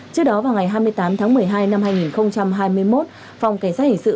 trước đó vào ngày hai mươi tám tháng một mươi hai năm hai nghìn hai mươi một phòng cảnh sát hình sự